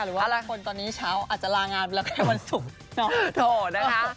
หรือว่าทุกคนตอนนี้เช้าอาจจะลางานเวลาแค่วันสุขเนอะโถ่นะคะ